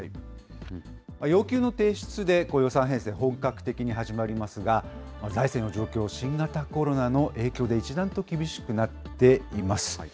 要求の提出で予算編成、本格的に始まりますが、財政の状況、新型コロナの影響で一段と厳しくなっています。